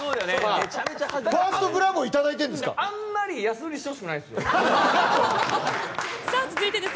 あんまり安売りしてほしくないんです。